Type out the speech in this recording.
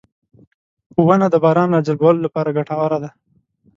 • ونه د باران راجلبولو لپاره ګټوره ده.